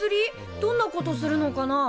どんなことするのかな？